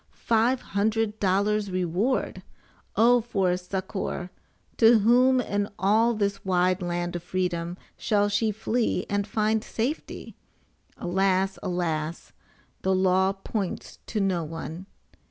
FIVE HUNDRED DOLLARS REWARD! OH, FOR SUCCOR! TO WHOM IN ALL THIS WIDE LAND OF FREEDOM SHALL SHE FLEE AND FIND SAFETY? ALAS! ALAS! THE LAW POINTS TO NO ONE!